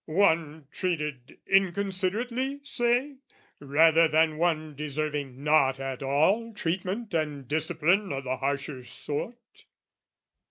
"One treated inconsiderately, say, "Rather than one deserving not at all "Treatment and discipline o' the harsher sort?"